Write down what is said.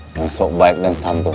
bung sok baik dan santun